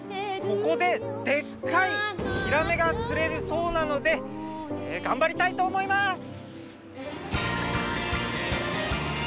ここででっかいヒラメが釣れるそうなので頑張りたいと思います！